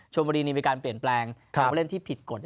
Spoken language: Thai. บุรีมีการเปลี่ยนแปลงผู้เล่นที่ผิดกฎ